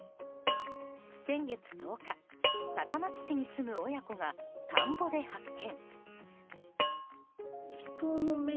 先月１０日、高松市に住む親子が田んぼで発見。